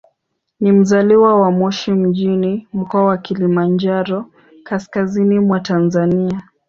Ni mzaliwa wa Moshi mjini, Mkoa wa Kilimanjaro, kaskazini mwa Tanzania.